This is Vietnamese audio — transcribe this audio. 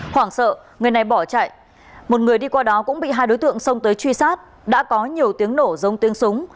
hoảng sợ người này bỏ chạy một người đi qua đó cũng bị hai đối tượng xông tới truy sát đã có nhiều tiếng nổ giống tiếng súng